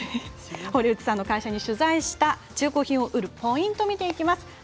堀内さんの会社に取材した中古品を売るポイントを見ていきます。